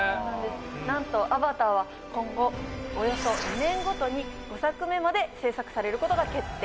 なんと『アバター』は今後およそ２年ごとに５作目まで制作されることが決定。